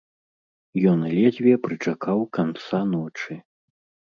Ён ледзьве прычакаў канца ночы.